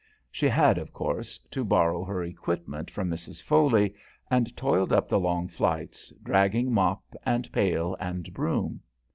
She had, of course, to borrow her equipment from Mrs. Foley, and toiled up the long flights, dragging mop and pail and broom.